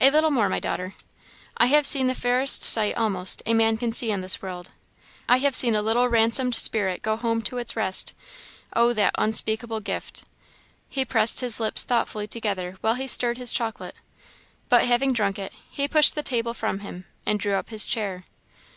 "A little more, my daughter; I have seen the fairest sight, almost, a man can see in this world. I have seen a little ransomed spirit go home to its rest. Oh, that 'unspeakable gift!' " He pressed his lips thoughtfully together while he stirred his chocolate; but having drunk it, he pushed the table from him, and drew up his chair.